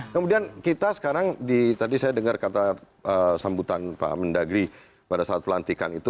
kemudian kita sekarang tadi saya dengar kata sambutan pak mendagri pada saat pelantikan itu